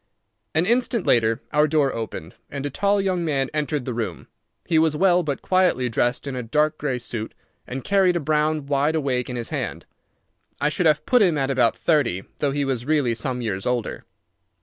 An instant later our door opened, and a tall young man entered the room. He was well but quietly dressed in a dark grey suit, and carried a brown wide awake in his hand. I should have put him at about thirty, though he was really some years older.